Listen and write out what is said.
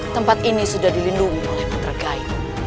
tempat ini sudah dilindungi oleh putra gai